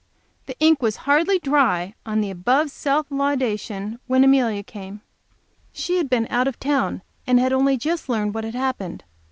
The ink was hardly dry yesterday on the above self laudation when Amelia came. She had been out of town, and had only just learned what had happened.